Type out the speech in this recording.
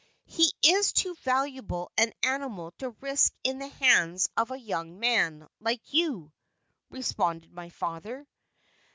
"He is too valuable an animal to risk in the hands of a young man like you," responded my father.